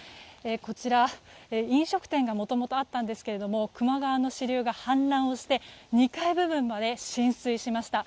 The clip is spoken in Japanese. こちら、飲食店がもともとあったんですが球磨川の支流が氾濫をして２階部分まで浸水しました。